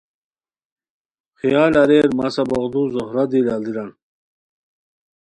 خیال اریر مسہ بوغدو زہرہ دی لاڑیران